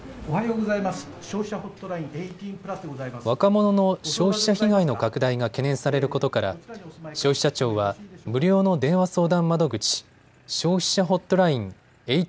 若者の消費者被害の拡大が懸念されることから消費者庁は無料の電話相談窓口、消費者ホットライン